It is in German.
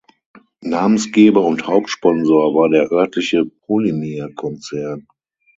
Namensgeber und Hauptsponsor war der örtliche Polymir-Konzern.